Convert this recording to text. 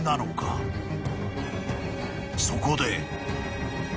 ［そこで］